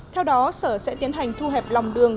theo đó sở sẽ tiến hành thu hẹp lòng đường